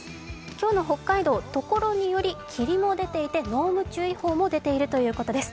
今日の北海道、ところにより霧も出ていて、濃霧注意報も出ているということです。